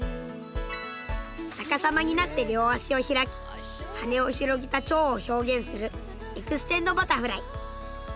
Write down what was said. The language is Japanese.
逆さまになって両足を開き羽を広げた蝶を表現する「エクステンドバタフライ」。